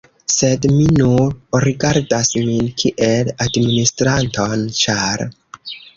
Sed mi nur rigardas min kiel administranton, ĉar.